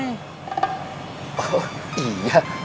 ke masalahannya bagaimana